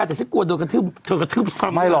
อาจจะเชื่อกว่าต้องกระทืบต้องกระทืบซ้ำ